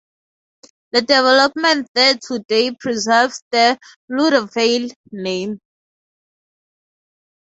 The development there today preserves the "Laudervale" name.